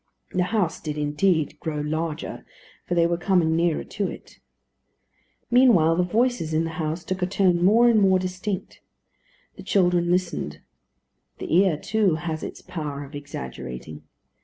The house did indeed grow larger, for they were coming nearer to it. Meanwhile the voices in the house took a tone more and more distinct. The children listened. The ear, too, has its power of exaggerating.